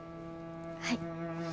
はい。